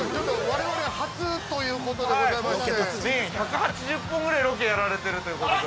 我々、初ということでございまして、◆年間１８０本ぐらいロケやられてるということで。